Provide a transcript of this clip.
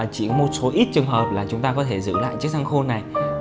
chỉ có một số ít trường hợp là chúng ta có thể giữ lại chiếc răng khô này